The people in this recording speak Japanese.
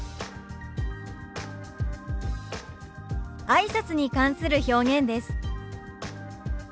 「あいさつ」に関する表現です。